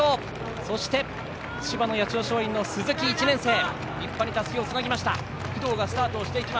そして、千葉の八千代松陰の鈴木、１年生が立派にたすきをつないだ。